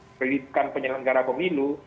melibatkan penyelenggara pemilu